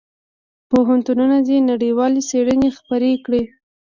پوهنتونونه دي نړیوالې څېړنې خپرې کړي.